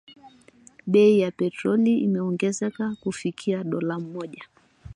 Bei ya petroli imeongezeka kufikia dola moja